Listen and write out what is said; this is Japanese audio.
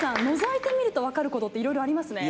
覗いてみると分かることっていろいろありますね。